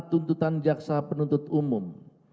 tuntutan jaksa penuntut umum